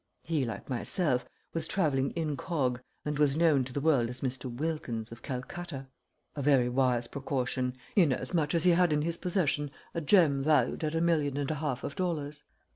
He like myself was travelling incog and was known to the world as Mr. Wilkins, of Calcutta a very wise precaution, inasmuch as he had in his possession a gem valued at a million and a half of dollars.